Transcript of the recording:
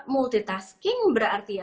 multitasking berarti ya